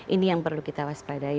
ini yang perlu kita waspadai